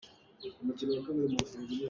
A inn cu a fa ngai te.